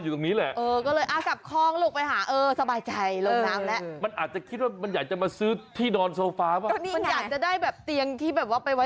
เออแล้วดูมันเขาเรียกอะไรอ่ะ